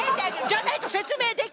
じゃないと説明できないもん。